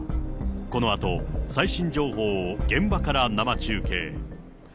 このあと最新情報を現場から生中継。